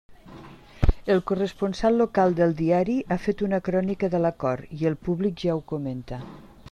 El corresponsal local del diari ha fet una crònica de l'acord i el públic ja ho comenta.